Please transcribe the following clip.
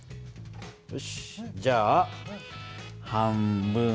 よしじゃあ半分こと。